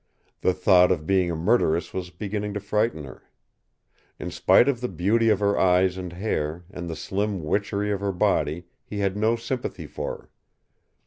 The thought of being a murderess was beginning to frighten her. In spite of the beauty of her eyes and hair and the slim witchery of her body he had no sympathy for her.